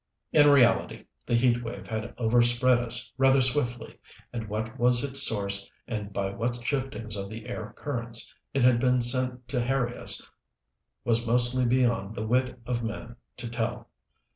In reality the heat wave had overspread us rather swiftly, and what was its source and by what shiftings of the air currents it had been sent to harry us was mostly beyond the wit of man to tell.